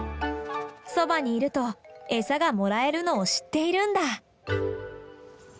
そばにいると餌がもらえるのを知っているんだ。